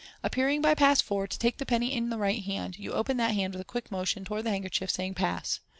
Appearing, by Pass 4, to take the penny in the right hand, you open that hand with a quick motion towards the handkerchief, saying, " Pass